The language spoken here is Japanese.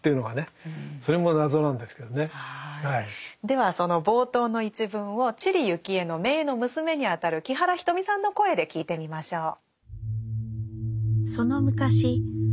ではその冒頭の一文を知里幸恵の姪の娘にあたる木原仁美さんの声で聞いてみましょう。